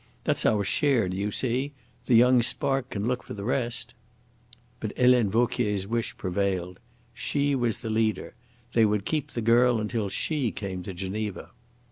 That's our share, do you see? The young spark can look for the rest." But Helene Vauquier's wish prevailed. She was the leader. They would keep the girl until she came to Geneva.